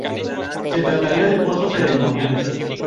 Se tratarían de pozos ceremoniales.